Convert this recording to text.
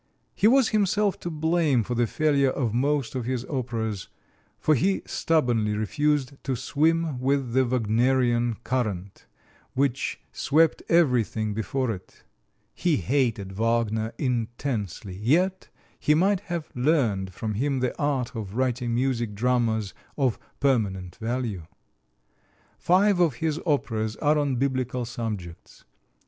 He was himself to blame for the failure of most of his operas, for he stubbornly refused to swim with the Wagnerian current, which swept everything before it. He hated Wagner intensely, yet he might have learned from him the art of writing music dramas of permanent value. Five of his operas are on Biblical subjects.